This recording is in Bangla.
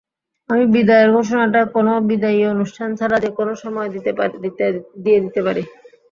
আমি বিদায়ের ঘোষণাটা কোনো বিদায়ী অনুষ্ঠান ছাড়া যেকোনো সময় দিয়ে দিতে পারি।